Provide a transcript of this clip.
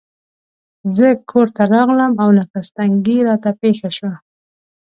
زه کورته راغلم او نفس تنګي راته پېښه شوه.